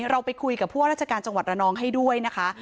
เราไปคุยกับผู้ว่าราชการจังหวัดระนองให้ด้วยนะคะ